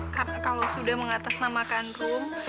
karena kalau sudah mengatasnamakan rung